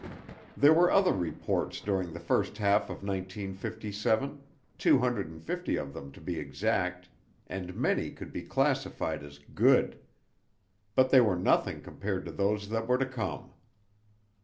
There were other reports during the first half of 1957, 250 of them to be exact, and many could be classified as "good." But they were nothing compared to those that were to come.